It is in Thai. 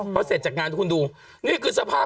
กล้องกว้างอย่างเดียว